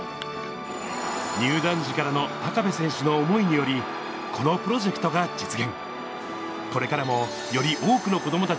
入団時からの高部選手の思いにより、このプロジェクトが実現。